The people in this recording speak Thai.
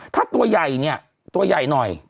ถ้าตัวใหญ่เนี่ยตัวใหญ่หน่อย